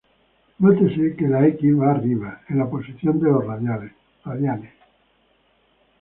Nótese que la "x" va arriba, en la posición de los radianes.